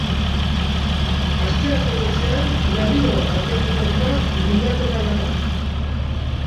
Astearte goizean berriro abiatuko dira bilaketa lanak.